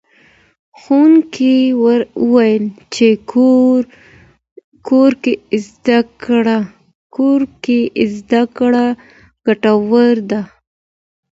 ښوونکی وویل چي کور زده کړه ګټوره ده.